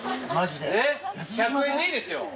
１００円でいいですよ。